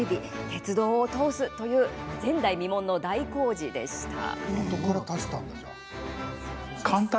鉄道を通すという前代未聞の大工事でした。